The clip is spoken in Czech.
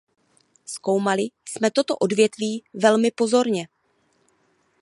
Zkoumali jsme toto odvětví velmi pozorně.